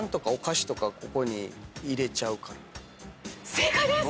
正解です！